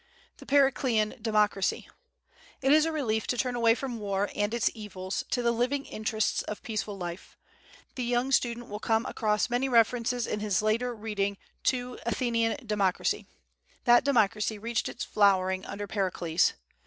The Periclean Democracy. It is a relief to turn away from war and its evils to the living interests of peaceful life. The young student will come across many references in his later reading to Athenian democracy. That democracy reached its flowering under Pericles.